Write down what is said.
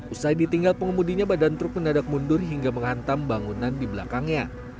usai ditinggal pengemudinya badan truk mendadak mundur hingga menghantam bangunan di belakangnya